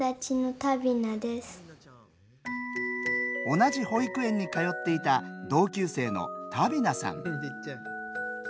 同じ保育園に通っていた同級生のタビナさん。